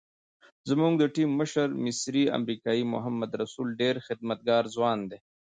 زموږ د ټیم مشر مصری امریکایي محمد رسول ډېر خدمتګار ځوان دی.